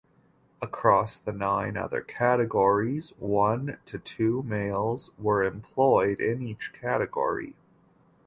Across the nine other categories, one to two males were employed in each category.